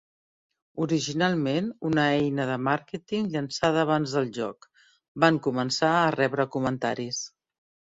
Originalment, una eina de màrqueting llançada abans del joc, van començar a rebre comentaris.